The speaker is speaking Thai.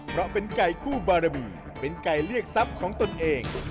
เพราะเป็นไก่คู่บารมีเป็นไก่เรียกทรัพย์ของตนเอง